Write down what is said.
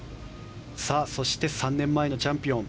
そして、３年前のチャンピオン。